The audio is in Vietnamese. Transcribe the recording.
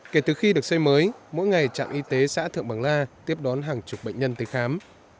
kể từ khi được xây mới mỗi ngày trạm y tế xã thượng bằng la tiếp đón hàng chục bệnh nhân tới khám